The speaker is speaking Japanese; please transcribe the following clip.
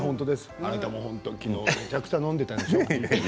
あなたも昨日めちゃくちゃ飲んでいたでしょう？